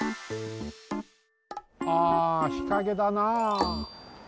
ああ日陰だなあ。